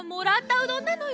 うどんなのよ。